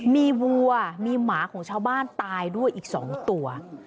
มีวัวมีหมาของชาวบ้านตายด้วยอีก๒ตัว